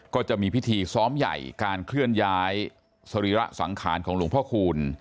ก็จะมีพิธีซ้อมใหญ่การเคลื่อนย้ายสรีระสังขารของหลวงพ่อคูณ